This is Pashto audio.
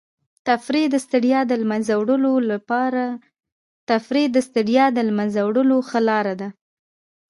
تفریح د ستړیا د له منځه وړلو ښه لاره ده.